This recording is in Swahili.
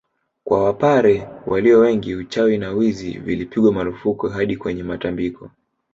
Kwa wapare walio wengi uchawi na wizi vilipigwa marufuku hadi kwenye matambiko